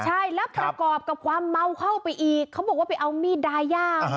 ใช่แล้วประกอบกับความเมาเข้าไปอีกเขาบอกว่าไปเอามีดดายา